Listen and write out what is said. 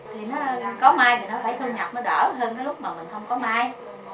thì nó có mai thì nó phải thu nhập nó đỡ hơn cái lúc mà mình không có mai